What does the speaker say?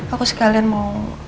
aku sekalian mau